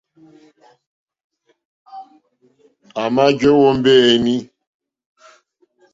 À mà jàwó mbéǃéní.